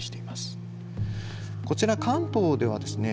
こちら関東ではですね